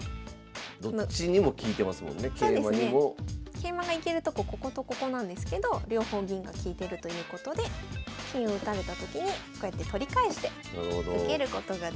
桂馬が行けるとここことここなんですけど両方銀が利いてるということで金を打たれたときにこうやって取り返して受けることができます。